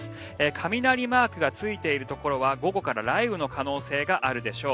雷マークがついているところは午後から雷雨の可能性があるでしょう。